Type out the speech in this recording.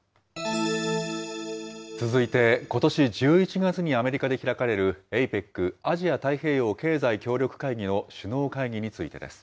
続いてことし１１月にアメリカで開かれる、ＡＰＥＣ・アジア太平洋経済協力会議の首脳会議についてです。